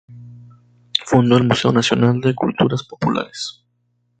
Fundó el Museo Nacional de Culturas Populares.